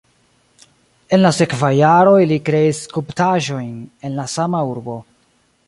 En la sekvaj jaroj li kreis skulptaĵojn en la sama urbo.